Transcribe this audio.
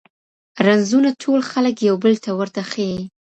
رنځونه ټول خلګ یو بل ته ورته ښیي.